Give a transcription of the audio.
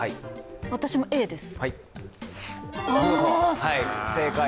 私もＡです。